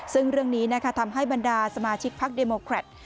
ซึ่งเรื่องนี้ทำให้บรรดาสมาชิกพรรคเดโมครัตร